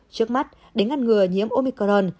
trước mắt đến ngăn ngừa nhiễm omicron